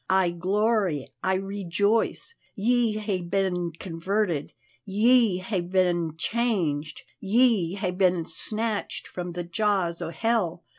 "I glory, I rejoice! Ye hae been converted, ye hae been changed, ye hae been snatched from the jaws o' hell.